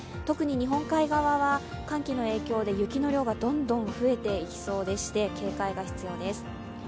特に日本海側は寒気の影響で雪の量がどんどん増えていきそうで警戒が必要です。